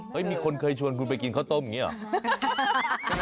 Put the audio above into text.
มีคนเคยชวนคุณไปกินข้าวต้มอย่างนี้หรอ